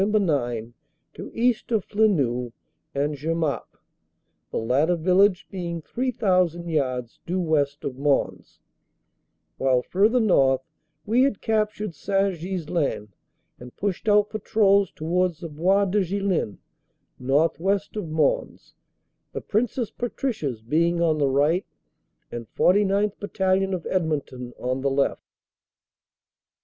9 to east of Flenu and Jemappes, the latter village being 3,000 yards due west of Mons, while further north we had captured St. Ghislain and pushed out patrols towards the Bois de Ghlin, northwest of Mons, the Princess Patricias being on the right and 49th. Battalion, of Edmonton, on the left.